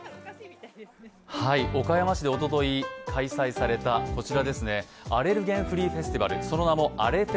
岡山市でおととい開催されたアレルゲンフリーフェスティバル、その名もアレ！！